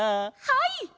はい！